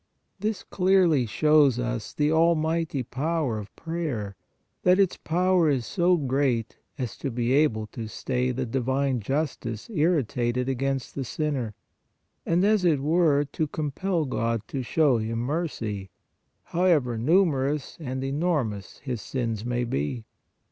This clearly shows us the almighty power of prayer, that its power is so great as to be able to stay the divine justice irritated against the sinner, and, as it were, to compel God to show him mercy, however numer ous and enormous his sins may be.